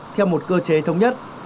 theo một cơ chế thống nhất